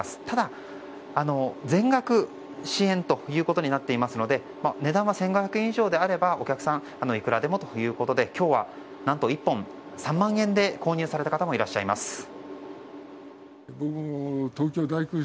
ただ、全額支援ということになっていますので値段は１５００円以上であればお客さん、いくらでもということで今日は何と１本３万円で購入された方もいらっしゃいます。